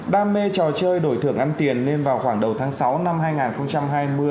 đam mê trò chơi đổi thưởng ăn tiền nên vào khoảng đầu tháng sáu năm hai nghìn hai mươi